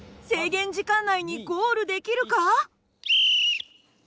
制限時間内にゴールできるか？